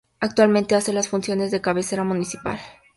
Actualmente hace las funciones de cabecera municipal.